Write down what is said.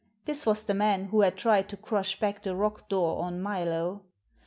This was the man who had tried to crush back the rock door on Milo.